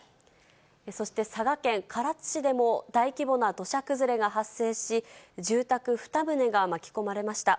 そして、佐賀県唐津市でも大規模な土砂崩れが発生し、住宅２棟が巻き込まれました。